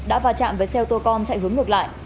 đã va chạm với xe ô tô con chạy hướng ngược lại